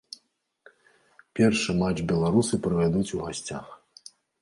Першы матч беларусы правядуць у гасцях.